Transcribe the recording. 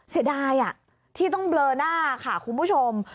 เสียดายที่ต้องเบลอหน้าค่ะคุณผู้ชม